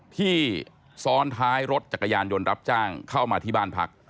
ที่ซ้อนท้ายรถจักรยานยนต์รับจ้างเข้ามาที่บ้านพัก